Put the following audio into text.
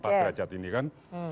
derajat ini kan